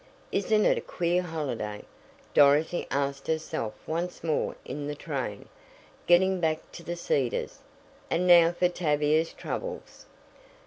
"Isn't it a queer holiday?" Dorothy asked herself once more in the train, getting back to The Cedars. "And now for Tavia's troubles."